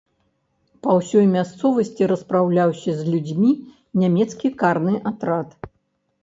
Па ўсёй мясцовасці распраўляўся з людзьмі нямецкі карны атрад.